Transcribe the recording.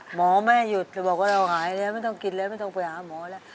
หมอไม่ให้หยุดแต่บอกว่าเราหายแล้วไม่ต้องกินแล้วไม่ต้องไปหาหมอแล้ว